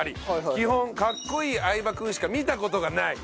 基本格好いい相葉君しか見た事がない。